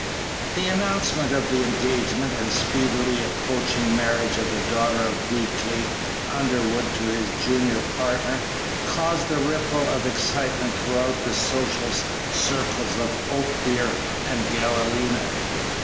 The announcement of the engagement and speedily approaching marriage of the daughter of D. K. Underwood to his junior partner caused a ripple of excitement throughout the social circles of Ophir and Galena.